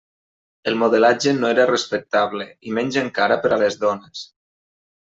El modelatge no era respectable, i menys encara per a les dones.